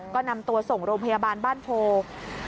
ก็นำตัวส่งโรงพยาบาลบ้านโพ